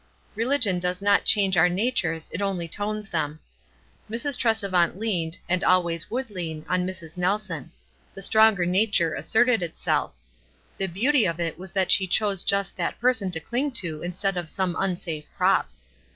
Religion does not change our natures, it only tones them. Mrs. Trescvant leaned, and always would lean, on Mrs. Nelson. The stronger nature asserted it self. The beaut} of it was that she chose just that person to cling to instead of some unsafe prop.